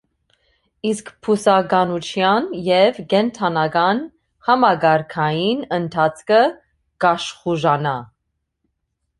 Իսկ բուսականութեան եւ կենդանական համակարգային ընթացքը կ՛աշխուժանայ։